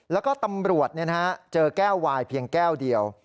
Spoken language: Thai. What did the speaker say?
แล้วก็ตำรวจเจอแก้ววายเพียงแก้วเดียว